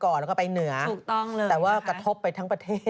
แต่ตอนนี้ก็เปลี่ยนแล้วถูกไหมคะ